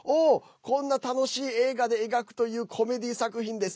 こんな楽しい映画で描くというコメディー作品です。